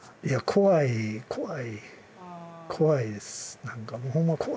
いや怖い怖い怖いですほんま